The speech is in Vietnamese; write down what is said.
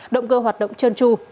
động cơ hoạt động trơn tru